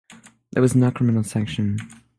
There was no criminal sanction.